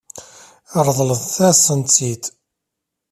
Ṛeḍlet-asent-tent-id.